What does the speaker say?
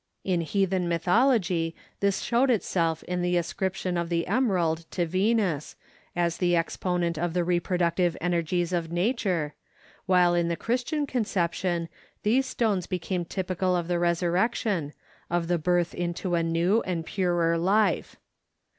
In heathen mythology this showed itself in the ascription of the emerald to Venus, as the exponent of the reproductive energies of nature, while in the Christian conception these stones became typical of the resurrection, of the birth into a new and purer life.